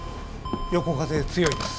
横風強いです。